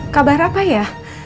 kabar apa ya